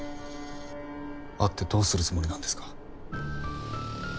会ってどうするつもりなんですか？